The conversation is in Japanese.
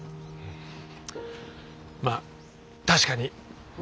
まあ確かに。